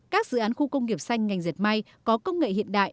các dự án khu công nghiệp xanh ngành dệt may có công nghệ hiện đại